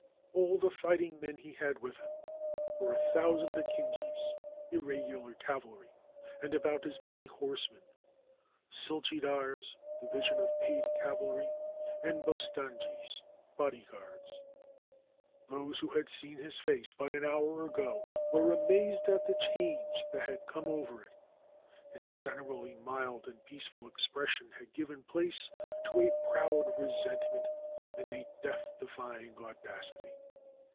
All the fighting men he had with him were a thousand akinjis (irregular cavalry) and about as many horse men, silchidars (divisions of paid cavalry), and bostanjis (bodyguards) , Those who had seen his face but an hour ago were amazed at the change that had come over it. Its gen erally mild and peaceful expression had given place to a proud resentment and a death defying audacity.